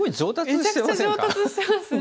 めちゃくちゃ上達してますね。